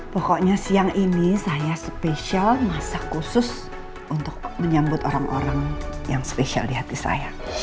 pokoknya siang ini saya spesial masak khusus untuk menyambut orang orang yang spesial di hati saya